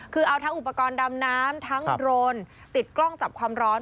คือเอาทั้งอุปกรณ์ดำน้ำทั้งโรนติดกล้องจับความร้อน